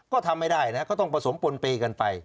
ก็ทำไม่ได้นะก็ต้องผสมปนเปย์กันไป